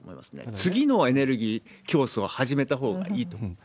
次のエネルギー競争を始めたほうがいいと思うんです。